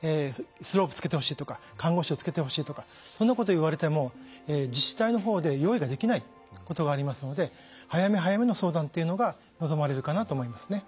スロープつけてほしいとか看護師をつけてほしいとかそんなこと言われても自治体の方で用意ができないことがありますので早め早めの相談というのが望まれるかなと思いますね。